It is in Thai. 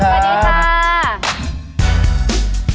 สวัสดีค่ะ